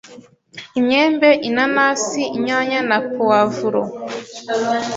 imyembe, inanasi, inyanya na puwavuro,